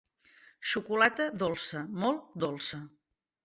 Xocolata dolça, molt dolça.